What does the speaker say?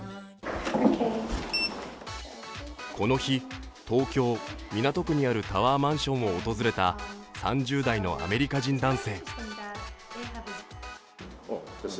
この日、東京・港区にあるタワーマンションを訪れた３０代のアメリカ人男性。